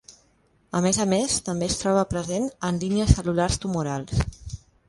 A més a més, també es troba present en línies cel·lulars tumorals.